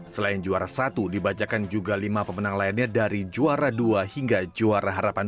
selain juara satu dibacakan juga lima pemenang lainnya dari juara dua hingga juara harapan dua